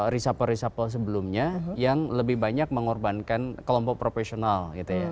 reshuffle reshuffle sebelumnya yang lebih banyak mengorbankan kelompok profesional gitu ya